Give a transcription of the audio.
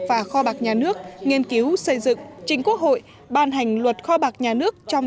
và kho bạc nhà nước nghiên cứu xây dựng chính quốc hội ban hành luật kho bạc nhà nước trong